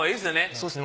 そうですね。